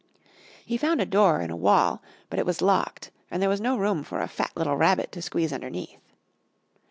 He found a door in a wall; but it was locked and there was no room for a fat little rabbit to squeeze underneath.